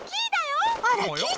あらキイ